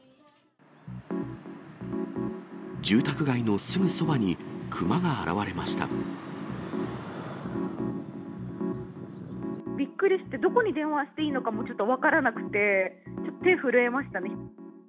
住宅街のすぐそばに熊が現れびっくりして、どこに電話していいのかもちょっと分からなくて、手が震えました